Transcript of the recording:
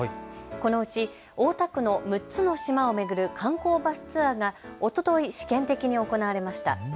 このうち大田区の６つの島を巡る観光バスツアーがおととい、試験的に行われました。